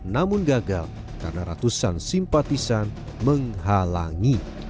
namun gagal karena ratusan simpatisan menghalangi